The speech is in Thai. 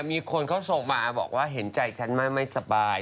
มีคนเขาส่งมาบอกว่าเห็นใจฉันมากไม่สบาย